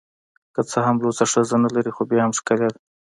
که څه هم لوڅه ښځه نلري خو بیا هم ښکلې ده